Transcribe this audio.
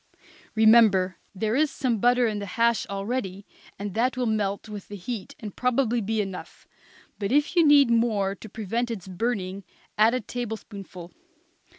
Remember there is some butter in the hash already, and that will melt with the heat and probably be enough; but if you need any more to prevent its burning, add a tablespoonful.